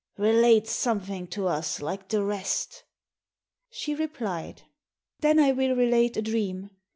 Relate something to us like the rest." She replied, "Then I will relate a dream.